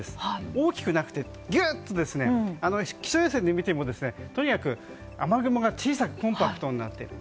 大きくなくて、ぎゅっと気象衛星で見てもとにかく雨雲が小さくコンパクトになっている。